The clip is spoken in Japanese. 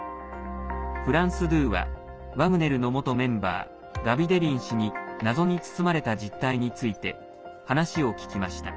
フランス２はワグネルの元メンバー、ガビデリン氏に謎に包まれた実態について話を聞きました。